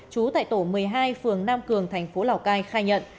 trú tại tổ một mươi hai phường nam cường thành phố lào cai khai nhận